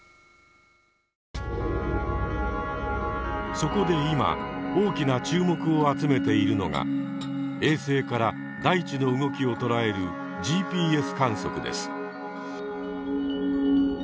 そこで今大きな注目を集めているのが衛星から大地の動きを捉えるＧＰＳ観測です。